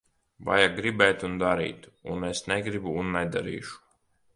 Vajag gribēt un darīt. Un es negribu un nedarīšu.